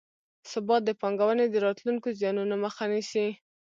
ثبات د پانګونې د راتلونکو زیانونو مخه نیسي.